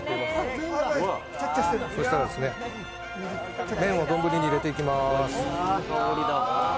そしたら麺を丼に入れていきます。